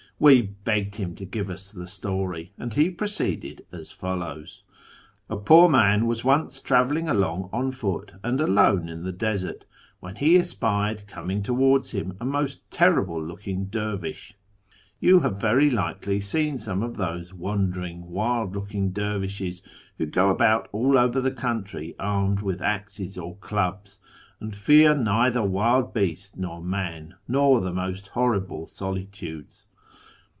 We begged him to give us the story, and he proceeded as follows :—" A poor man was once travelling along on foot and alone in the desert when he espied coming towards him a most terrible looking dervish. You have very likely seen some of those wandering, wild looking dervishes who go about all over the country armed with axes or clubs, and fear neither wild beast nor man, nor the most horrible solitudes.